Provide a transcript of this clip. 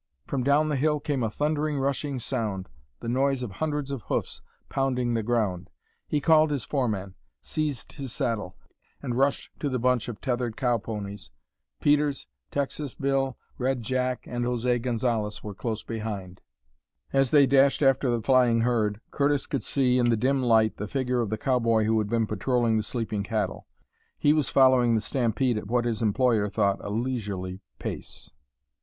From down the hill came a thundering, rushing sound, the noise of hundreds of hoofs pounding the ground. He called his foreman, seized his saddle, and rushed to the bunch of tethered cow ponies, Peters, Texas Bill, Red Jack, and José Gonzalez close behind. As they dashed after the flying herd Curtis could see in the dim light the figure of the cowboy who had been patrolling the sleeping cattle. He was following the stampede at what his employer thought a leisurely pace.